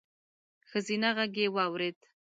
ښځينه غږ يې واورېد: